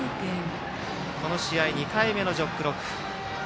この試合、２回目の「ジョックロック」。